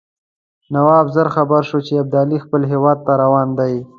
نواب ژر خبر شو چې ابدالي خپل هیواد ته روان دی.